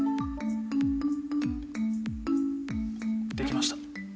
できました。